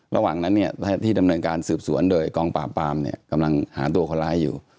ระหว่างนั้นที่ดำเนินการสืบสวนโดยกองปราบปามเนี่ยกำลังหาตัวคนร้ายอยู่